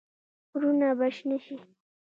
غرونه به شنه شي.